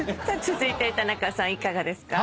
続いて田中さんいかがですか？